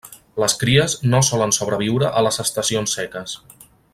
Les cries no solen sobreviure a les estacions seques.